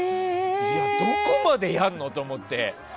どこまでやるの？って思って。